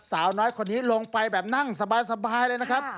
สาวน้อยคนนี้ลงไปแบบนั่งสบายเลยนะครับ